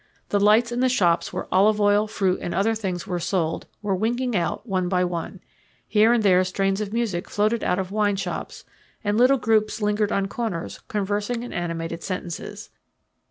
The lights in the shops where olive oil, fruit, and other things were sold, were winking out one by one; here and there strains of music floated out of wine shops, and little groups lingered on corners conversing in animated sentences.